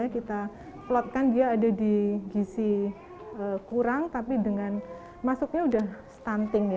kita plotkan dia ada di gisi kurang tapi dengan masuknya sudah stunting